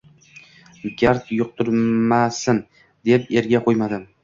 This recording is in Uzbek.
Gard yuqtirmasin deb erga qo`ymadim